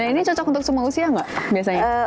nah ini cocok untuk semua usia nggak biasanya